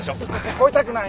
超えたくない！